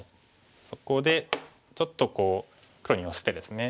そこでちょっとこう黒に寄せてですね